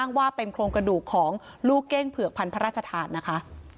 ว่าเป็นโครงกระดูกของลูกเก้งเผือกพันพระราชทานนะคะ